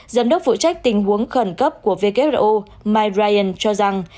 giám đốc phụ trách tình huống khẩn cấp của who mike brayan cho rằng